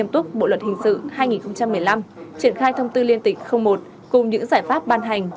hai nghìn một mươi năm triển khai thông tư liên tịch một cùng những giải pháp ban hành